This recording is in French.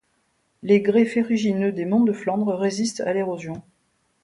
Les grès ferrugineux des monts de Flandres résistent à l’érosion.